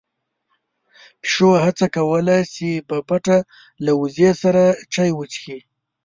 پيشو هڅه کوله چې په پټه له وزې سره چای وڅښي.